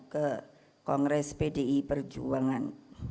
ke kongres pdi perjuangan